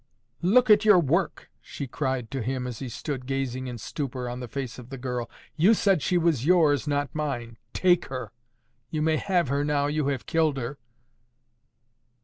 "'Look at your work!' she cried to him, as he stood gazing in stupor on the face of the girl. 'You said she was yours, not mine; take her. You may have her now you have killed her.